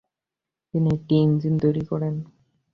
তিনি একটি ইঞ্জিন তৈরি করেন।